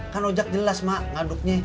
kan ujak jelas mak ngaduknya